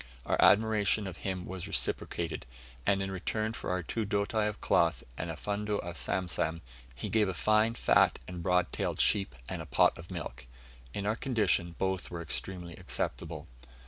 Our admiration of him was reciprocated; and, in return for our two doti of cloth and a fundo of samsam, he gave a fine fat and broad tailed sheep, and a pot of milk. In our condition both were extremely acceptable.